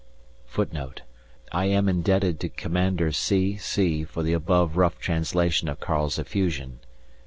[Footnote: I am indebted to Commander C. C. for the above rough translation of Karl's effusion.